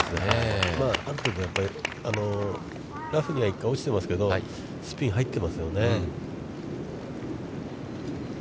まあ、ラフには１回、落ちてますけど、スピン入ってますよね。